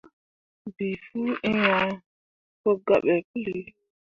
Bii fuu iŋ ah pu gabe puli.